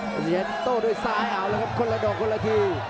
เป็นเย็นโต้ด้วยซ้ายเอาแล้วครับคนละ๒คนละที